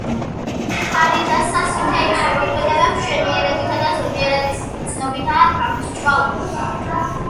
კალიდასას მთელი შემოქმედება მშვენიერებისა და ზომიერების გრძნობითაა გამსჭვალული.